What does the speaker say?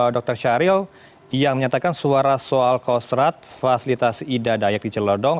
dokter syaril yang menyatakan suara soal kosrat fasilitas ida dayak di celodong